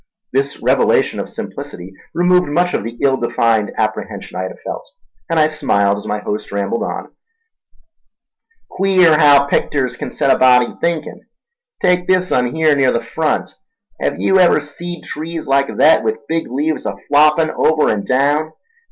This revelation of simplicity removed much of the ill defined apprehension I had felt, and I smiled as my host rambled on: "Queer haow picters kin set a body thinkin'. Take this un here near the front. Hev yew ever seed trees like thet, with big leaves a floppin' over an' daown?